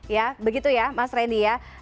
ya begitu ya mas randy ya